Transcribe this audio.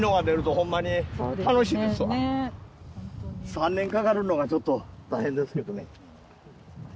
３年かかるのがちょっと大変ですけどね